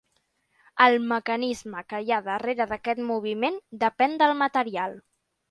El mecanisme que hi ha darrere d'aquest moviment depèn del material.